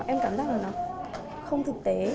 em cảm giác là nó không thực tế